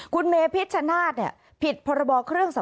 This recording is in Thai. คุณเมพิชชนาธิ์ผิดพค